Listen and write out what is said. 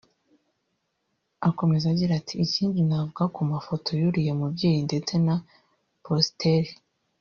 Akomeza agira ati “ Ikindi navuga ku mafoto y’uriya mubyeyi ndetse na positeri